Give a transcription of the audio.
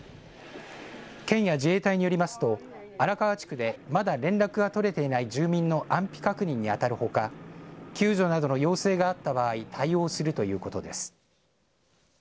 県や自衛隊によりますと荒川地区でまだ連絡が取れていない住民の安否確認にあたるほか救助などの要請があった場合対応するということです。